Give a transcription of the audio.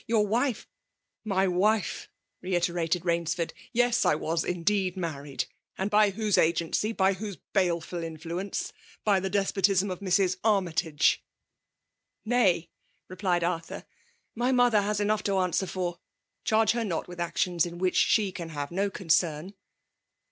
Your wife —" '*i£jwifer reiterated Bains&rd: '^yei I was indeed married ! And by whose agency f <^y whose baleful mflnence? By the despy potimn of Mrs. Armytage! " '<Nay/' xepEed Arthnr> ^my mothet baa enough to answer for. Charge her not with Actions in which &e can hate no concern.